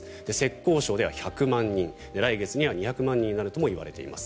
浙江省では１００万人来月には２００万人になるともいわれています。